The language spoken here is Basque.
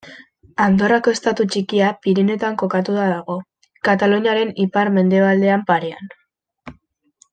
Andorrako estatu txikia Pirinioetan kokatua dago, Kataluniaren ipar-mendebaldean parean.